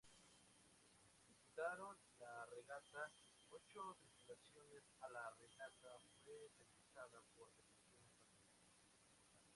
Disputaron la regata ocho tripulaciones y la regata fue televisada por Televisión Española.